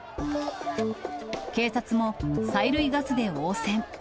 警察も催涙ガスで応戦。